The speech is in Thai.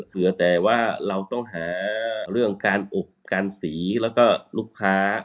เหลือแต่ว่าเราต้องหาเรื่องการอบการสีแล้วก็ลูกค้า